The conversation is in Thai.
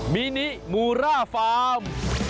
มินิมูร่าฟาร์ม